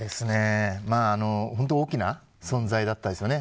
本当に大きな存在だったですよね。